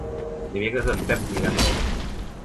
Dimecres en Pep anirà a Maó.